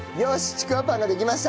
ちくわパンができました！